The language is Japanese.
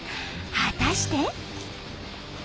果たして。